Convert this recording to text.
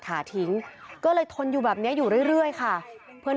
ถาทิ้งก็เลยทนอยู่แบบนี้อยู่เรื่อยค่ะเพื่อน